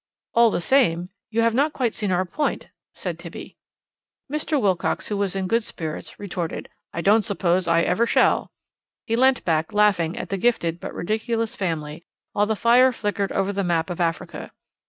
"All the same, you have not quite seen our point," said Tibby. Mr. Wilcox, who was in good spirits, retorted, "I don't suppose I ever shall." He leant back, laughing at the gifted but ridiculous family, while the fire flickered over the map of Africa.